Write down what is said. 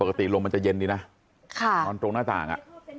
ก็ปกติลงมันจะเย็นดีนะค่ะนอนตรงหน้าต่าง